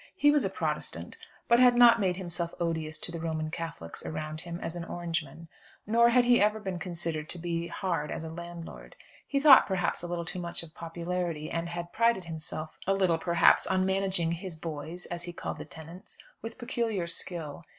He was a Protestant, but had not made himself odious to the Roman Catholics around him as an Orangeman, nor had he ever been considered to be hard as a landlord. He thought, perhaps, a little too much of popularity, and had prided himself a little perhaps, on managing "his boys" as he called the tenants with peculiar skill.